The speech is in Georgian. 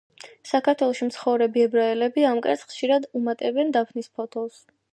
საქართველოში მცხოვრები ებრაელები ამ კერძს ხშირად უმატებენ დაფნის ფოთოლს.